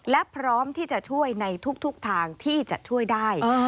และพร้อมที่จะช่วยในทุกทางที่จะช่วยได้